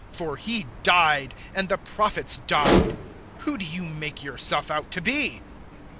For he died. And the prophets died. Who do you make yourself out to be?"